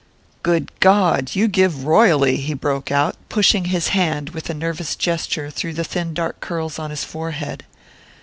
"Good God! You give royally!" he broke out, pushing his hand with a nervous gesture through the thin dark curls on his forehead.